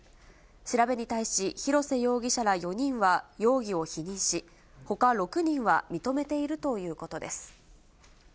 調べに対し、広瀬容疑者ら４人は容疑を否認し、ほか６人は認めているということ